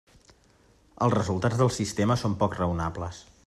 Els resultats del sistema són poc raonables.